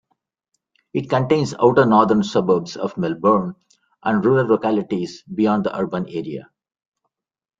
It contains outer northern suburbs of Melbourne and rural localities beyond the urban area.